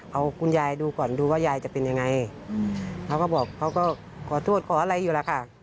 เอาคุณยายดูก่อนดูว่ายายจะเป็นยังไงเขาก็บอกเขาก็ขอโทษขออะไรอยู่แล้วค่ะ